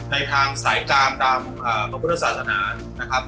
ในทางสายการตามพระพุทธศาสนานะครับ